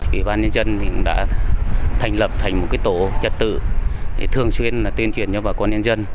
ủy ban nhân dân đã thành lập thành một tổ trật tự thường xuyên tuyên truyền cho bà con nhân dân